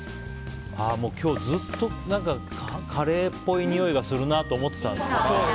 今日ずっとカレーっぽいにおいがするなと思っていたんですよ。